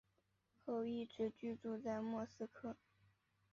后一直居住在莫斯科。